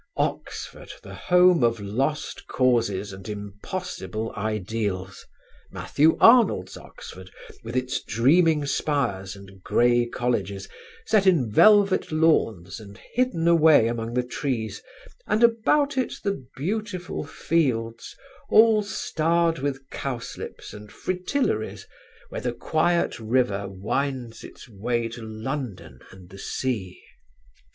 Oxford the home of lost causes and impossible ideals; Matthew Arnold's Oxford with its dreaming spires and grey colleges, set in velvet lawns and hidden away among the trees, and about it the beautiful fields, all starred with cowslips and fritillaries where the quiet river winds its way to London and the sea....